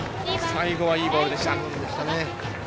最後はいいボールでした。